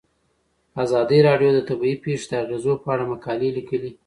ازادي راډیو د طبیعي پېښې د اغیزو په اړه مقالو لیکلي.